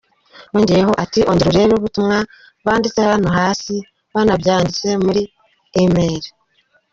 Yongeyeho ati “Ongera urebe ubutumwa banditse hano hasi, banabyanditse muri E-mails.